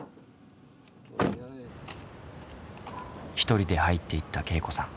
１人で入っていったけいこさん。